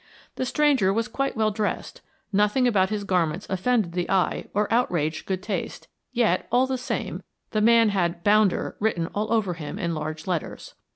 The stranger was quite well dressed, nothing about his garments offended the eye or outraged good taste, yet, all the same, the man had "bounder" written all over him in large letters.